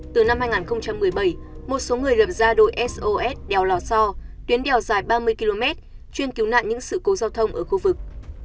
từ năm hai nghìn một mươi bảy một số người lập ra đội sos đèo lò so tuyến đèo dài ba mươi km chuyên cứu nạn những sự cố giao thông ở khu vực